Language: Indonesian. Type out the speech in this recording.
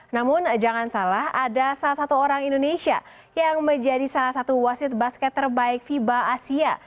namun jangan salah ada salah satu orang indonesia yang menjadi salah satu wasit basket terbaik fiba asia